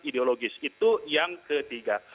ideologis itu yang ketiga